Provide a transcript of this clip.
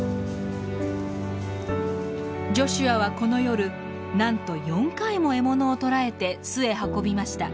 ジョシュアはこの夜なんと４回も獲物を捕らえて巣へ運びました。